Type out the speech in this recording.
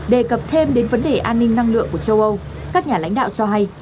đề cập thêm đến vấn đề an ninh năng lượng của châu âu các nhà lãnh đạo cho hay